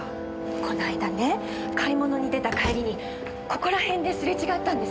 この間ね買い物に出た帰りにここら辺ですれ違ったんです。